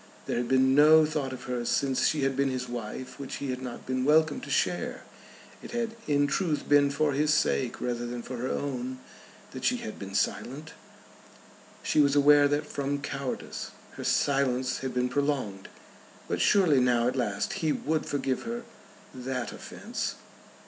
There had been no thought of hers since she had been his wife which he had not been welcome to share. It had in truth been for his sake rather than for her own that she had been silent. She was aware that from cowardice her silence had been prolonged. But surely now at last he would forgive her that offence.